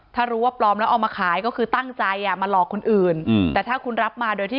ถ้ารู้ว่าปลอมแล้วเอามาขายก็คือตั้งใจอ่ะมาหลอกคนอื่นอืมแต่ถ้าคุณรับมาโดยที่